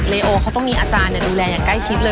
โอเขาต้องมีอาจารย์ดูแลอย่างใกล้ชิดเลย